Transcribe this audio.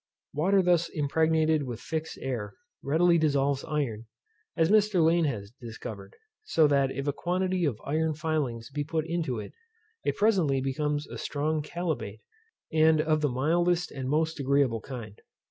Water thus impregnated with fixed air readily dissolves iron, as Mr. Lane has discovered; so that if a quantity of iron filings be put to it, it presently becomes a strong chalybeate, and of the mildest and most agreeable kind.